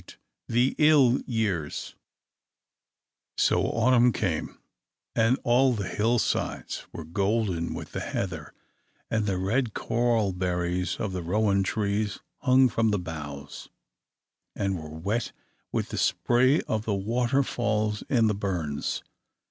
The Ill Years SO autumn came, and all the hill sides were golden with the heather; and the red coral berries of the rowan trees hung from the boughs, and were wet with the spray of the waterfalls in the burns.